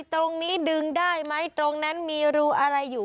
ตรงนี้ดึงได้ไหมตรงนั้นมีรูอะไรอยู่